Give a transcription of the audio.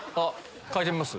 替えてみます？